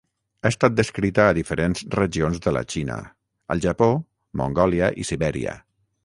Ha estat descrita a diferents regions de la Xina, al Japó, Mongòlia i Sibèria.